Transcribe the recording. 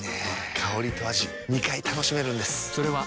香りと味２回楽しめるんです。